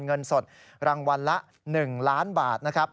เงินสดรางวัลละ๑ล้านบาทนะครับ